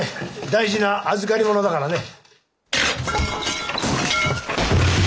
大事な預かり物だからね。